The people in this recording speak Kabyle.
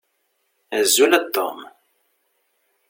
Azul a Tom.